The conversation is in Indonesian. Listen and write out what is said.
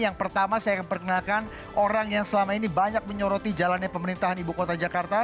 yang pertama saya akan perkenalkan orang yang selama ini banyak menyoroti jalannya pemerintahan ibu kota jakarta